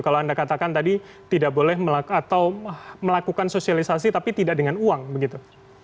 kalau anda katakan tadi tidak boleh atau melakukan sosialisasi tapi tidak dengan uang begitu